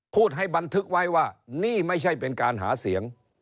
พูดให้บันทึกไว้ว่านี่ไม่ใช่เป็นการหาเสียง